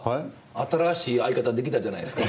新しい相方できたじゃないですか。